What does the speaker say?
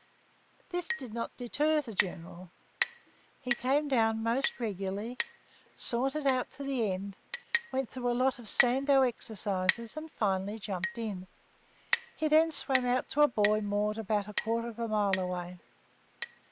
This did not deter the General. He came down most regularly, sauntered out to the end, went through a lot of Sandow exercises and finally jumped in. He then swam out to a buoy moored about a quarter of a mile away.